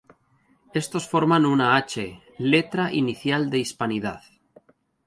Estos forman una "H", letra inicial de Hispanidad.